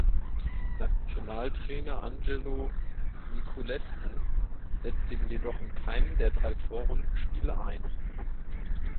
Nationaltrainer Angelo Niculescu setzte ihn jedoch in keinem der drei Vorrundenspiele ein.